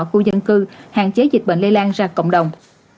khu dân cư hạn chế dịch bệnh lây lan ra cộng đồng